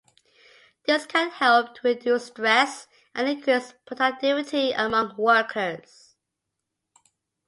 This can help to reduce stress and increase productivity among workers.